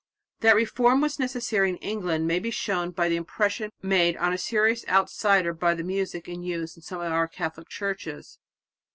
That reform was necessary in England may be shown by the impression made on a serious outsider by the music in use in some of our Catholic churches.